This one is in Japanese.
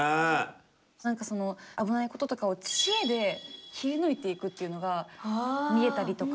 何かその危ないこととかを知恵で切り抜いていくっていうのが見えたりとか。